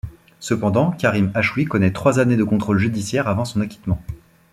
Cependant, Karim Achoui connait trois années de contrôle judiciaire avant son acquittement.